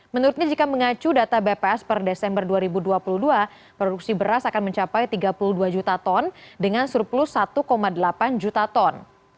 menurutnya jika mengacu data bps per desember dua ribu dua puluh dua produksi beras akan mencapai tiga puluh dua juta ton dengan surplus satu delapan juta ton